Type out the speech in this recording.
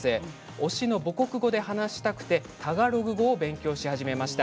推しと母国語で話したくてタガログ語を勉強し始めました。